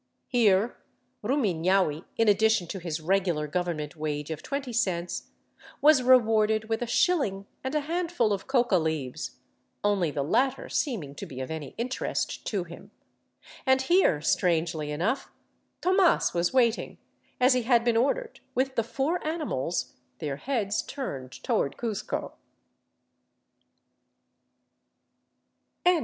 Here Rumifiaui, in addition to his regular government wage of twenty cents, was rewarded with a shilling and a handful of coca leaves, only the latter seeming to be of any interest to him ; and here, strangely enough, Tomas was waiting, as he had been ordered, with the four animals, their heads turned toward Cuzco.